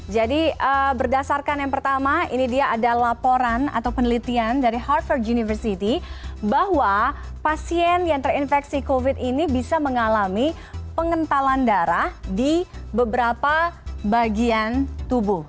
jadi berdasarkan yang pertama ini dia ada laporan atau penelitian dari harvard university bahwa pasien yang terinfeksi covid ini bisa mengalami pengentalan darah di beberapa bagian tubuh